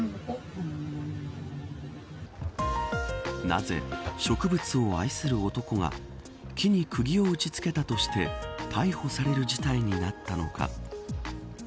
なぜ、植物を愛する男が木に釘を打ちつけたとして逮捕される事態になったのか。